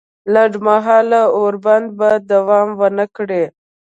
لنډ مهاله اوربند به دوام ونه کړي